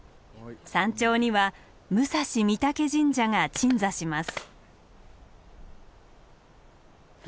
山頂には武蔵御嶽神社が鎮座します。